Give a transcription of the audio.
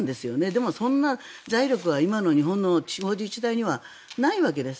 でも、そんな財力は今の日本の地方自治体にはないわけです。